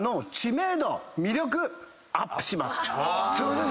すいません。